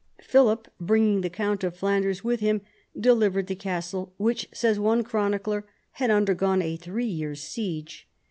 Philip, bringing the count of Flanders with him, delivered the castle, which, says one chronicler, had undergone a three years' siege.